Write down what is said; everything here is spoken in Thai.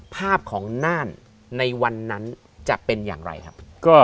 ภาพของน่านในวันนั้นจะเป็นอย่างไรครับ